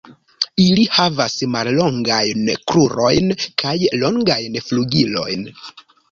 Ili havas mallongajn krurojn kaj longajn flugilojn.